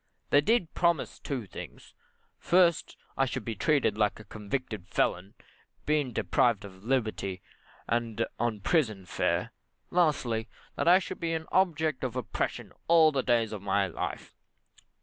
They did promise two things. First, that I should be treated like a convicted felon, being deprived of liberty, and on prison fare. Lastly, that I should be an object of oppression all the days of my life.